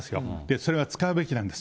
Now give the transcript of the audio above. それは使うべきなんです。